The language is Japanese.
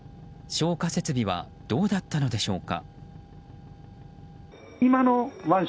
消火設備はどうだったのでしょうか。